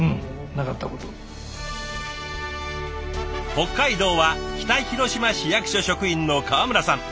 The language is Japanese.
北海道は北広島市役所職員の川村さん。